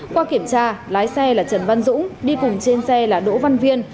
qua kiểm tra lái xe là trần văn dũng đi cùng trên xe là đỗ văn viên